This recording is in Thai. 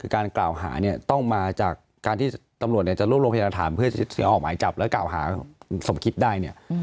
การกล่าวหาต้องมาจากการที่ตำรวจจะรวบรวมพยาธิฐานทานเพื่อเสียออกหมายจับและกล่าวหาสมคิดได้